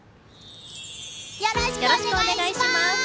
よろしくお願いします！